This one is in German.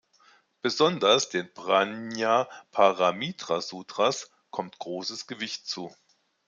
Besonders den Prajnaparamita-Sutras kommt großes Gewicht zu.